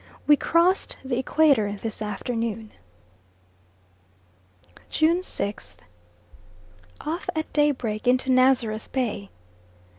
We crossed the Equator this afternoon. June 6th. Off at daybreak into Nazareth Bay.